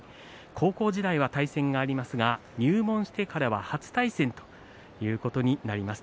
高校時代は対戦がありますが入門してからは初対戦ということになります。